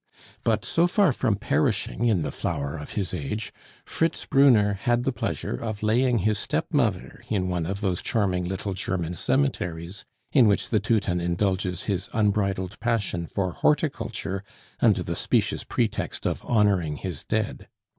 But so far from perishing in the flower of his age, Fritz Brunner had the pleasure of laying his stepmother in one of those charming little German cemeteries, in which the Teuton indulges his unbridled passion for horticulture under the specious pretext of honoring his dead.